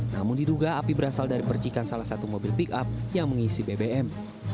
namun diduga api berasal dari percikan salah satu mobil pick up yang mengisi bbm